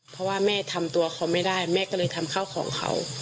เพราะว่าแม่ทำตัวเขาไม่ได้แม่ก็เลยทำข้าวของเขา